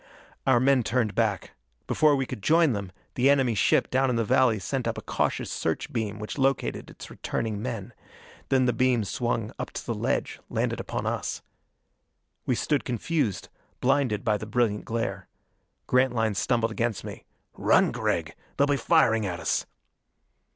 Our men turned back. Before we could join them, the enemy ship down in the valley sent up a cautious search beam which located its returning men. Then the beam swung up to the ledge, landed upon us. We stood confused, blinded by the brilliant glare. Grantline stumbled against me. "Run, Gregg! They'll be firing at us."